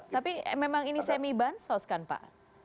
tapi memang ini semi bansos kan pak